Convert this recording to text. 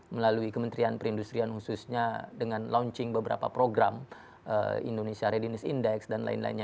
melalui kementerian perindustrian khususnya dengan launching beberapa program indonesia readiness index dan lain lainnya